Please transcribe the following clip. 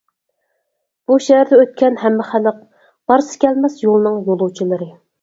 بۇ شەھەردە ئۆتكەن ھەممە خەلق بارسا كەلمەس يولنىڭ يولۇچىلىرى.